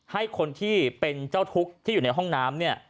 ให้คนที่เป็นเจ้าทุกข์ที่อยู่ในห้องน้ำเนี่ย